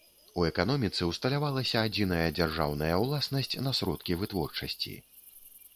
У эканоміцы ўсталявалася адзіная дзяржаўная ўласнасць на сродкі вытворчасці.